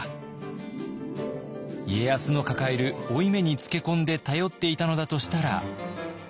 家康の抱える負い目につけ込んで頼っていたのだとしたら。